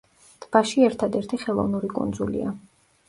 ტბაში ერთადერთი ხელოვნური კუნძულია.